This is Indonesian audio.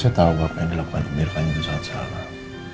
saya tahu bahwa apa yang dilakukan amir kan itu sangat salah